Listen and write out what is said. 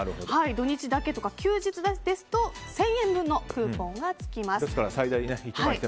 土日だけとか休日ですと１０００円分のクーポンがつきます。